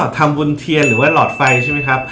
ทำบุญเทียนหรือว่าหลอดไฟใช่ไหมครับ